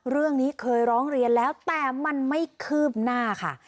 เรื่องนี้เคยร้องเรียนแล้วแต่มันไม่คืบหน้าค่ะ